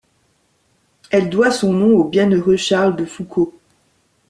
Elle doit son nom au bienheureux Charles de Foucauld.